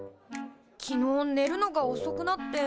昨日ねるのがおそくなって。